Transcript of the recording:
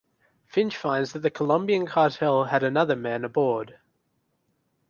Finch finds that the Colombian cartel had another man aboard.